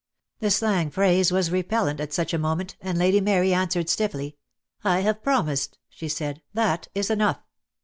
The slang phrase was repellant at such a mo ment, and Lady Mary answered stiffly: "I have promised," she said, "that is enough."